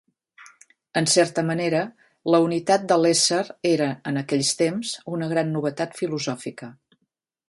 En certa manera, la unitat de l'Ésser era, en aquells temps, una gran novetat filosòfica.